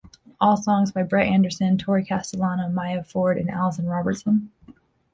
All songs by Brett Anderson, Torry Castellano, Maya Ford and Allison Robertson.